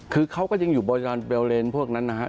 คือเขาก็ยังอยู่บริการเบลเลนพวกนั้นนะฮะ